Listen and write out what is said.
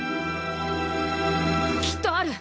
きっとある！